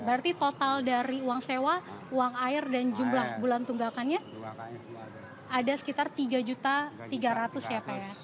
berarti total dari uang sewa uang air dan jumlah bulan tunggakannya ada sekitar tiga tiga ratus ya pak ya